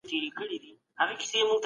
هغه له نړيوال بانک څخه رخصتي واخيسته.